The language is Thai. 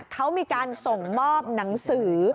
เขามีการส่งมอบหนังสือ